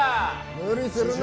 無理するな！